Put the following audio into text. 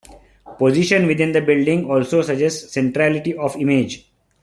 Position within the building also suggests centrality of image.